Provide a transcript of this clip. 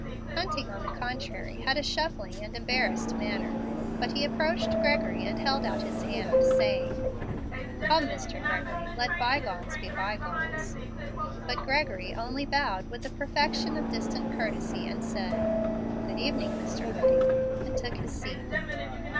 Hunting, on the contrary, had a shuffling and embarrassed manner; but he approached Gregory and held out his hand, saying, "Come, Mr. Gregory, let by gones be by gones." But Gregory only bowed with the perfection of distant courtesy, and said, "Good evening, Mr. Hunting," and took his seat.